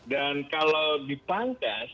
dan kalau dipangkas